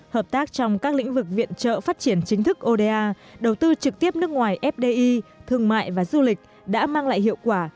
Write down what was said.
hợp tác trong các lĩnh vực viện trợ phát triển chính thức oda đầu tư trực tiếp nước ngoài fdi thương mại và du lịch đã mang lại hiệu quả